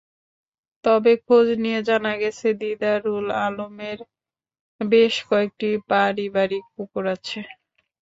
তবে খোঁজ নিয়ে জানা গেছে, দিদারুল আলমের বেশ কয়েকটি পারিবারিক পুকুর আছে।